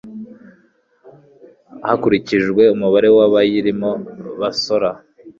hakurikijwe umubare w'abayirimo basora